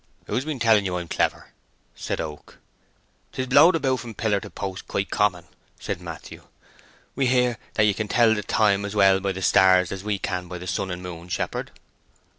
"Who's been telling you I'm clever?" said Oak. "'Tis blowed about from pillar to post quite common," said Matthew. "We hear that ye can tell the time as well by the stars as we can by the sun and moon, shepherd."